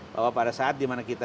bahwa pada saat dimana kita